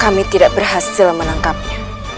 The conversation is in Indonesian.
kami tidak berhasil menangkapnya